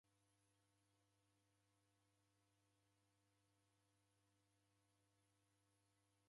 Punda wake wasilwa ni ndighi